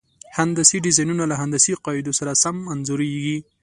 هندسي ډیزاینونه له هندسي قاعدو سره سم انځوریږي.